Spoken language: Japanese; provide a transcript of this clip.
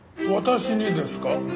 私にですか？